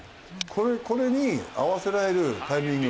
これに合わせられるタイミング。